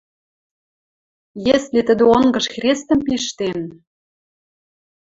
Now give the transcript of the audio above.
Если тӹдӹ онгыш хрестӹм пиштен